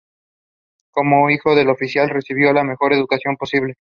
Como hijo de oficial, recibió la mejor educación disponible.